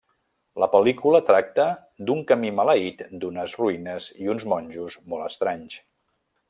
La pel·lícula tracta d'un camí maleït d'unes ruïnes i uns monjos molt estranys.